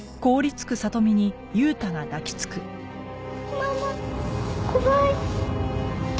ママ怖い。